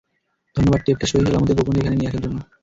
ধন্যবাদ টেপটা সহিসালামতে গোপনে এখানে নিয়ে আসার জন্য।